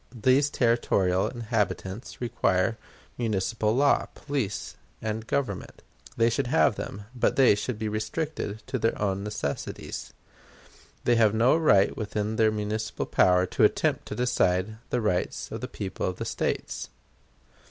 These territorial inhabitants require municipal law, police, and government. They should have them, but they should be restricted to their own necessities. They have no right within their municipal power to attempt to decide the rights of the people of the States.